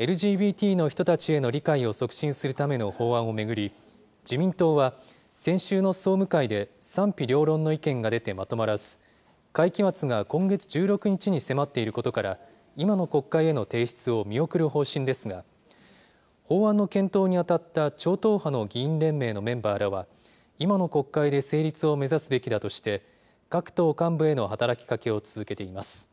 ＬＧＢＴの人たちへの理解を促進するための法案を巡り、自民党は、先週の総務会で賛否両論の意見が出てまとまらず、会期末が今月１６日に迫っていることから、今の国会への提出を見送る方針ですが、法案の検討に当たった超党派の議員連盟のメンバーらは、今の国会で成立を目指すべきだとして、各党幹部への働きかけを続けています。